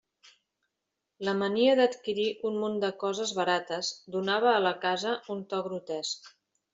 La mania d'adquirir un munt de coses barates donava a la casa un to grotesc.